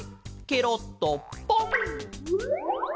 ケロッとポン！